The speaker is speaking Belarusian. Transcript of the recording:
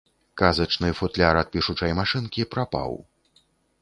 Казачны футляр ад пішучай машынкі прапаў.